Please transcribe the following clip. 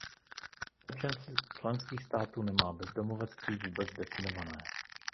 Mnoho členských států nemá bezdomovectví vůbec definované.